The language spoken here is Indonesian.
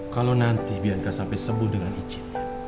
kalau nanti bianca sampai sembuh dengan izinnya